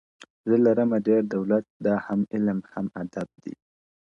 زه لرمه ډېر دولت دا هم علم هم آدب دی.